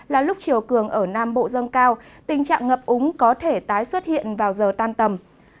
là lúc chiều cường ở nam bộ dâng cao tình trạng ngập úng có thể tái xuất hiện vào giờ tan tầm